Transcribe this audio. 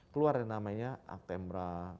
keluar yang namanya actemra